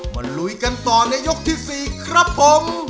ลุยกันต่อในยกที่๔ครับผม